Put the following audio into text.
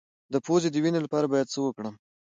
د پوزې د وینې لپاره باید څه وکړم؟